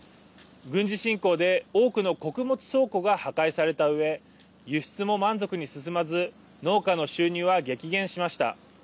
軍事侵攻で多くの穀物倉庫が破壊されたうえ輸出も満足に進まず農家の収入は激減しました。